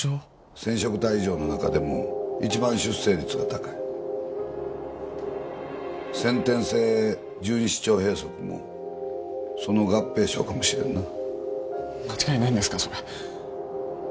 染色体異常の中でも一番出生率が高い先天性十二指腸閉塞もその合併症かもしれんな間違いないんですかそれ？